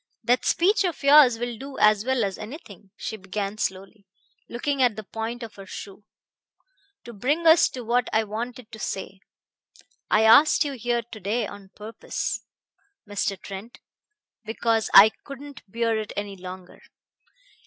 "That speech of yours will do as well as anything," she began slowly, looking at the point of her shoe, "to bring us to what I wanted to say. I asked you here to day on purpose, Mr. Trent, because I couldn't bear it any longer.